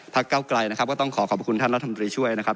เก้าไกลนะครับก็ต้องขอขอบคุณท่านรัฐมนตรีช่วยนะครับ